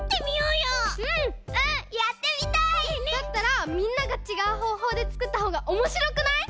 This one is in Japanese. だったらみんながちがうほうほうでつくったほうがおもしろくない？